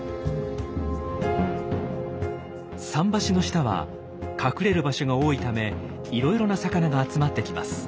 桟橋の下は隠れる場所が多いためいろいろな魚が集まってきます。